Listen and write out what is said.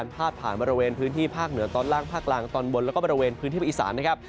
พื้นที่ภาคเหนือตอนล่างภาคล่างตอนบนแล้วก็บริเวณพื้นที่ประอิสานนะครับ